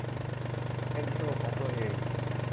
เป็นตัวของตัวเอง